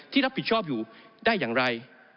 รับผิดชอบอยู่ได้อย่างไร